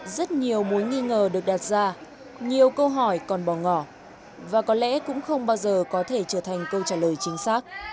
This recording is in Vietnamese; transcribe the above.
rất nhiều mối nghi ngờ được đặt ra nhiều câu hỏi còn bỏ ngỏ và có lẽ cũng không bao giờ có thể trở thành câu trả lời chính xác